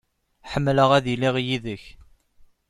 Ḥemmleɣ ad iliɣ yid-k.